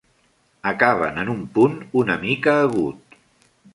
Acaben en un punt una mica agut.